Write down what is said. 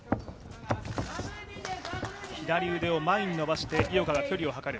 左腕を前に伸ばして井岡が距離をはかる。